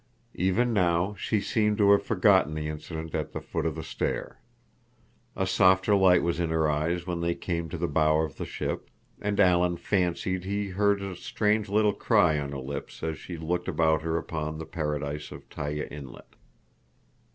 Even now she seemed to have forgotten the incident at the foot of the stair. A softer light was in her eyes when they came to the bow of the ship, and Alan fancied he heard a strange little cry on her lips as she looked about her upon the paradise of Taiya Inlet.